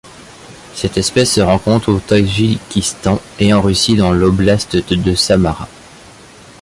Cette espèce se rencontre au Tadjikistan et en Russie dans l'oblast de Samara.